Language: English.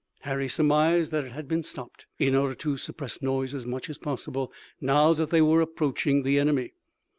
Harry surmised that it had been stopped, in order to suppress noise as much as possible, now that they were approaching the enemy.